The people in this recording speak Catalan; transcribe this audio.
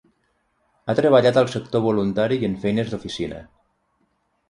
Ha treballat al sector voluntari i en feines d'oficina.